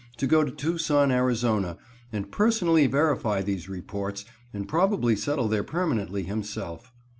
to go to Tucson, Ariz., and personally verify these reports, and probably settle there permanently himself.